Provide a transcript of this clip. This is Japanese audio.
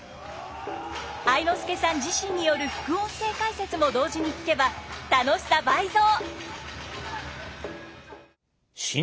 愛之助さん自身による副音声解説も同時に聞けば楽しさ倍増！